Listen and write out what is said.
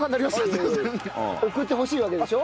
送ってほしいわけでしょ？